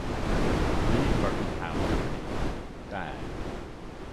Lee Mercantile Company, died.